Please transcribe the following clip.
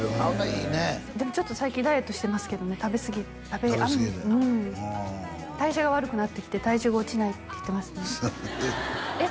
いいねでもちょっと最近ダイエットしてますけどね食べすぎで代謝が悪くなってきて体重が落ちないって言ってますねえっ